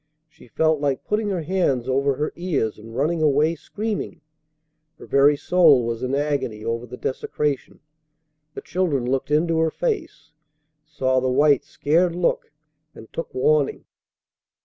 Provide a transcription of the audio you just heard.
She felt like putting her hands over her ears and running away screaming. Her very soul was in agony over the desecration. The children looked into her face, saw the white, scared look, and took warning.